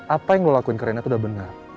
apa yang lo lakuin ke reina tuh udah bener